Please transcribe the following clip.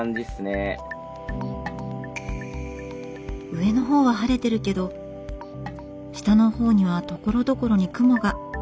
上の方は晴れてるけど下の方にはところどころに雲が。